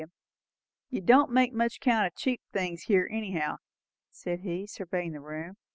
You don't make much count o' cheap things here anyhow," said he, surveying the room.